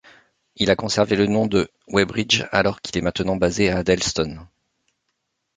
Il a conservé le nom de Weybridge alors qu'il est maintenant basé à Addlestone.